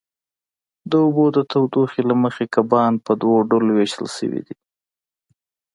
د اوبو د تودوخې له مخې کبان په دوو ډلو وېشل شوي دي.